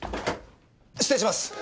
失礼します。